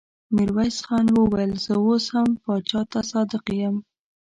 ميرويس خان وويل: زه اوس هم پاچا ته صادق يم.